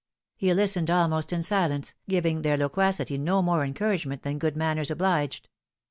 He listened almost in silence, giving their loquacity no more encou ragement than good manners obliged.